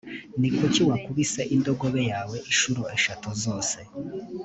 ni kuki wakubise indogobe yawe incuro eshatu zose?